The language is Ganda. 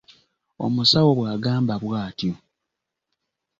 Omusawo bwagamba bwatyo.